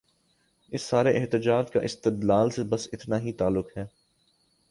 اس سارے احتجاج کا استدلال سے بس اتنا ہی تعلق ہے۔